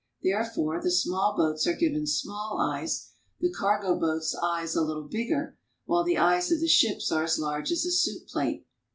Therefore the small boats are given small eyes, the cargo boats, eyes a little bigger, while the eyes of the ships are as large as a soup plate.